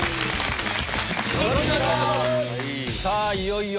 いよいよ。